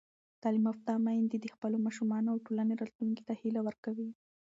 تعلیم یافته میندې د خپلو ماشومانو او ټولنې راتلونکي ته هیله ورکوي.